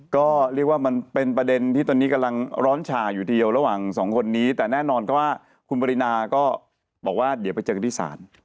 ก็เรียกว่ามันเป็นประเด็นที่ตอนนี้กำลังร้อนฉ่าอยู่เดียวระหว่างสองคนนี้แต่แน่นอนก็ว่าคุณปรินาก็บอกว่าเดี๋ยวไปเจอกันที่ศาล